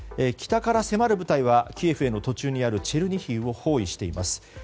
北から迫る部隊はキエフへの途中にあるチェルニヒウを包囲しています。